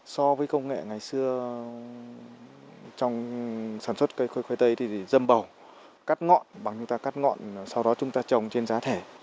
so với công nghệ ngày xưa trong sản xuất cây khoai khoai tây thì dâm bầu cắt ngọn bằng chúng ta cắt ngọn sau đó chúng ta trồng trên giá thể